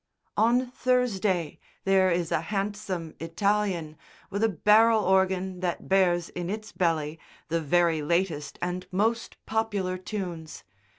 On Thursday there is a handsome Italian with a barrel organ that bears in its belly the very latest and most popular tunes.